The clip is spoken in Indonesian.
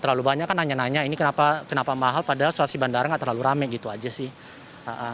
terlalu banyak kan nanya nanya ini kenapa mahal padahal situasi bandara nggak terlalu rame gitu aja sih